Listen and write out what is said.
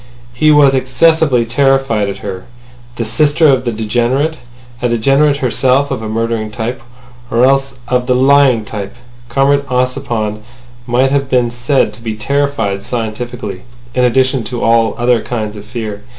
He was excessively terrified at her—the sister of the degenerate—a degenerate herself of a murdering type ... or else of the lying type. Comrade Ossipon might have been said to be terrified scientifically in addition to all other kinds of fear.